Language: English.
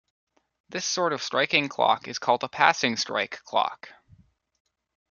This sort of striking clock is called a "passing strike" clock.